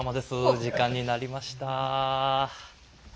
時間になりました。